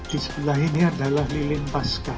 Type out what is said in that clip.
jisil lainnya adalah lilin pasca